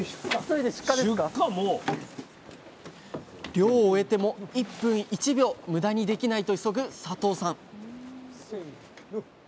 漁を終えても１分１秒ムダにできないと急ぐ佐藤さん